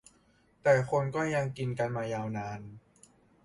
แต่คนก็ยังกินกันมายาวนาน